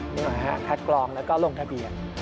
นึกออกไหมคะคัดกรองแล้วก็ลงทะเบียน